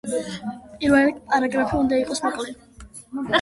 პირველი პარაგრაფი უნდა იყოს მოკლე.